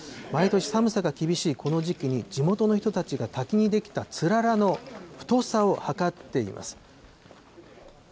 毎年寒さが厳しいこの時期に地元の人たちが滝に出来たつららの太さを測っています。